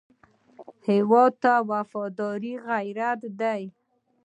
هېواد ته وفاداري غیرت دی